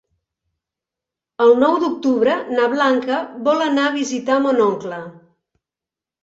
El nou d'octubre na Blanca vol anar a visitar mon oncle.